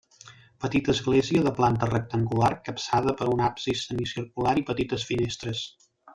Petita església de planta rectangular capçada per un absis semicircular i petites finestres.